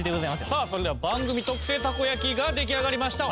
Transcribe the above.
さあそれでは番組特製たこ焼きが出来上がりました。